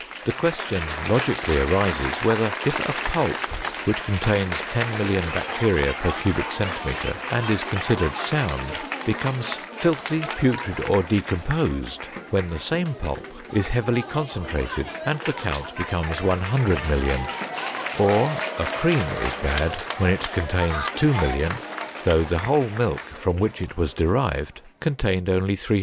The question logically arises whether, if a pulp which contains 10,000,000 bacteria per cubic centimeter and is considered sound, becomes "filthy, putrid or decomposed" when the same pulp is heavily concentrated and the count becomes 100,000,000, or a cream is bad when it contains 2,000,000, though the whole milk from which it was derived contained only 300,000.